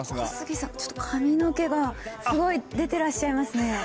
小杉さん、ちょっと髪の毛がすごい出ていらっしゃいますね。